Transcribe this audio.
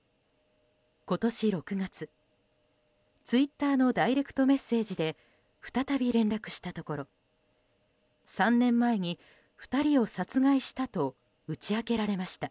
今年６月、ツイッターのダイレクトメッセージで再び連絡したところ３年前に２人を殺害したと打ち明けられました。